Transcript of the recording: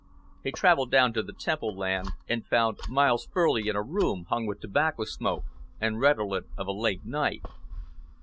He travelled down to the Temple land found Miles Furley in a room hung with tobacco smoke and redolent of a late night.